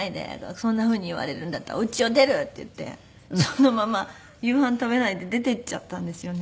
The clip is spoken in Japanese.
「そんなふうに言われるんだったらお家を出る」って言ってそのまま夕飯食べないで出て行っちゃったんですよね。